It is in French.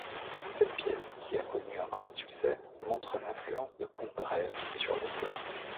Cette pièce, qui connut un grand succès, montre l'influence de Congreve sur l'auteur.